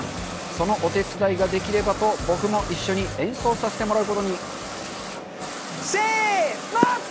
そのお手伝いができればと僕も一緒に演奏させてもらうことにせの！